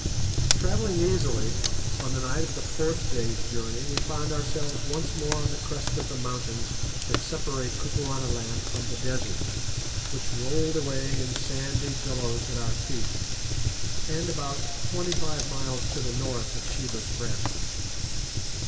Travelling easily, on the night of the fourth day's journey we found ourselves once more on the crest of the mountains that separate Kukuanaland from the desert, which rolled away in sandy billows at our feet, and about twenty five miles to the north of Sheba's Breasts.